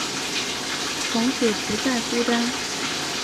从此不再孤单